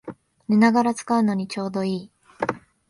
寝ながら使うのにちょうどいい